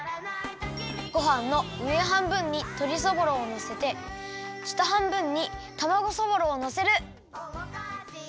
ごはんのうえはんぶんにとりそぼろをのせてしたはんぶんにたまごそぼろをのせる！